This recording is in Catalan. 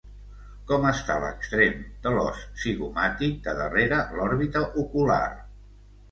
Com està l'extrem de l'os zigomàtic de darrere l'òrbita ocular?